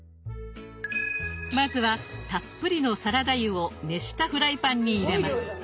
まずはたっぷりのサラダ油を熱したフライパンに入れます。